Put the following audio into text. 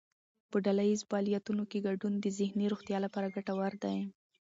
په ډلهییز فعالیتونو کې ګډون د ذهني روغتیا لپاره ګټور دی.